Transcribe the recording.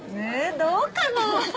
えどうかな。